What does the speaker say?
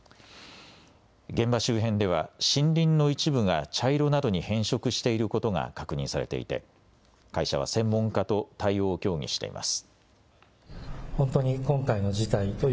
現場周辺では森林の一部が茶色などに変色していることが確認されていて会社は専門家と対応を協議しています。